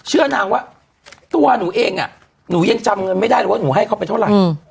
เชื่อนางว่าตัวหนูเองอ่ะเดี๋ยวนายจำงานให้ขอเท่าไหร่